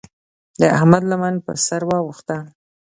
د احمد لمن پر سر واوښته.